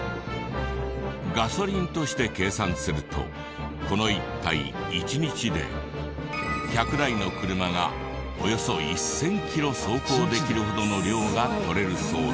ガソリンとして計算するとこの１体１日で１００台の車がおよそ１０００キロ走行できるほどの量が採れるそうだ。